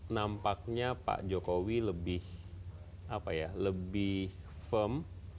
nampaknya pak jokowi lebih firm